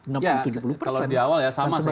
ya kalau di awal ya sama